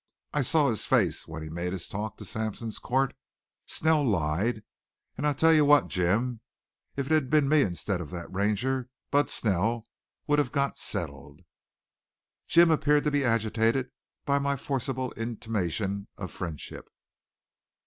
I saw his face when he made his talk to Sampson's court. Snell lied. And I'll tell you what, Jim, if it'd been me instead of that Ranger, Bud Snell would have got settled." Jim appeared to be agitated by my forcible intimation of friendship.